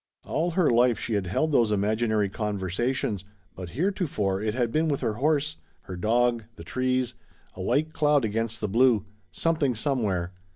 All her life she had held those imaginary conversations, but heretofore it had been with her horse, her dog, the trees, a white cloud against the blue, something somewhere.